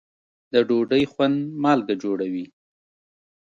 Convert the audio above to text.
د ډوډۍ خوند مالګه جوړوي.